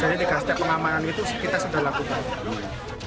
jadi dikasih pengamanan itu kita sudah lakukan